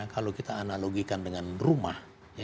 kalau kita analogikan dengan rumah